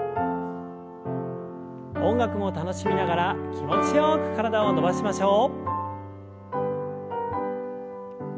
音楽も楽しみながら気持ちよく体を伸ばしましょう。